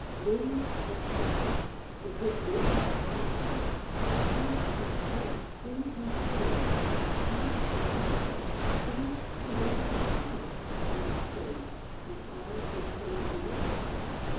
Waves of sound (Is this your thought, Amati?), Climbing into treble thin and clear, Past the silence, change to waves of color, We must say, when eye takes place of ear?